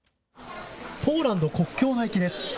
ポーランド国境の駅です。